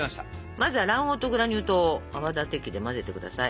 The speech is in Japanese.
まずは卵黄とグラニュー糖を泡立て器で混ぜてください。